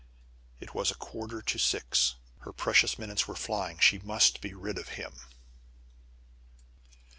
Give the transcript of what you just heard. It was quarter to six. Her precious minutes were flying. She must be rid of him!